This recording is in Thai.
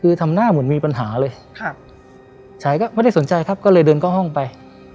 คือทำหน้าเหมือนมีปัญหาเลยครับชายก็ไม่ได้สนใจครับก็เลยเดินเข้าห้องไป